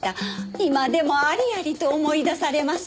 今でもありありと思い出されます。